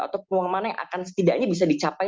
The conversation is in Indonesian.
atau peluang mana yang akan setidaknya bisa dicapai